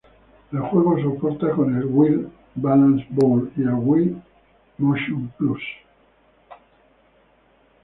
El juego soporta con el Wii Balance Board y el Wii Motion Plus.